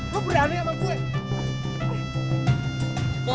lo berani sama gue